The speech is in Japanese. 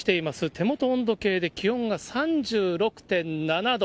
手元の温度計で、気温が３６．７度。